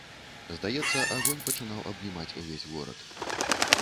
Здаецца, агонь пачынаў абнімаць увесь горад.